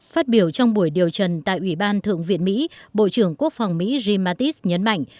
phát biểu trong buổi điều trần tại ủy ban thượng viện mỹ bộ trưởng quốc phòng mỹ ji mattis nhấn mạnh